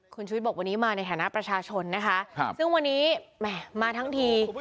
คุณชุวิตบอกวันนี้มาในฐานะประชาชนนะคะซึ่งวันนี้แหมมาทั้งที